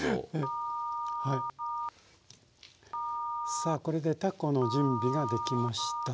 さあこれでたこの準備ができました。